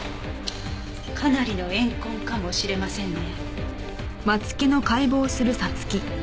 かなりの怨恨かもしれませんね。